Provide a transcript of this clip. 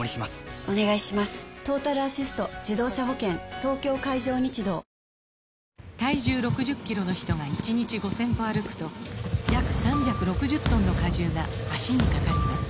東京海上日動体重６０キロの人が１日５０００歩歩くと約３６０トンの荷重が脚にかかります